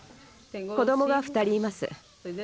子どもが２人います。